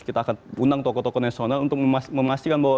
kita akan undang tokoh tokoh nasional untuk memastikan bahwa